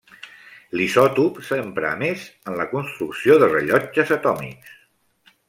L'isòtop s'empra a més en la construcció de rellotges atòmics.